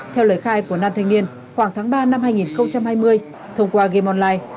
theo lời khai của nam thanh niên khoảng tháng ba năm hai nghìn hai mươi thông qua gameonline